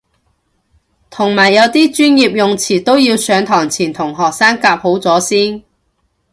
同埋有啲專業用詞都要上堂前同學生夾好咗先